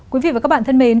quý vị và các bạn thân mến